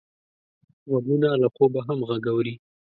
غوږونه له خوبه هم غږ اوري